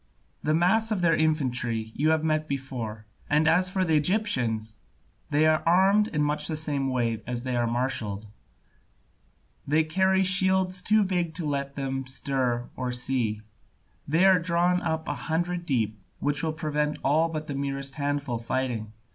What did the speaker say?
The mass of their infantry you have met before; and as for the Egyptians, they are armed in much the same way as they are marshalled; they carry shields too big to let them stir or see, they are drawn up a hundred deep, which will prevent all but the merest handful fighting.